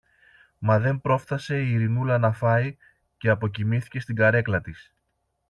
Μα δεν πρόφθασε η Ειρηνούλα να φάει, και αποκοιμήθηκε στην καρέκλα της.